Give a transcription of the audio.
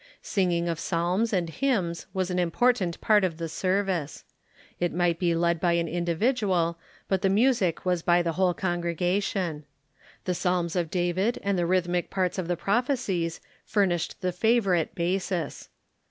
Singing of psalms and hymns was an important part of the service. It might be led by an individual, but the music was by the whole congrega tion. The Psalms of David and the rhythmic parts of the prophecies furnished the favorite basis.